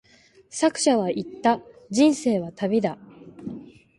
作者は言った、人生は旅だ。